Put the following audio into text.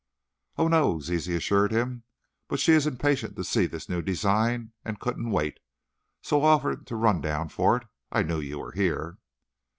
"Oh, no," Zizi assured him, "but she is impatient to see this new design and couldn't wait. So I offered to run down for it. I knew you were here."